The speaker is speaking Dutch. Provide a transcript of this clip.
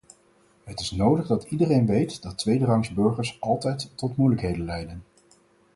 Het is nodig dat iedereen weet dat tweederangsburgers altijd tot moeilijkheden leiden.